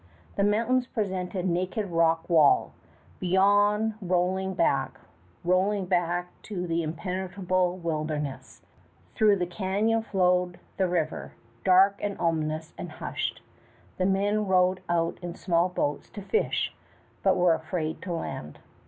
The mountains presented naked rock wall. Beyond, rolling back ... rolling back to an impenetrable wilderness ... were the primeval forests. Through the canyon flowed the river, dark and ominous and hushed. The men rowed out in small boats to fish but were afraid to land.